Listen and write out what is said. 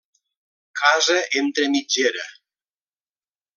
Casa entre mitgera.